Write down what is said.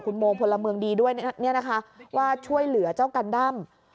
คุณโมพลเมืองดีด้วยเนี่ยนะคะว่าช่วยเหลือเจ้ากันด้ำ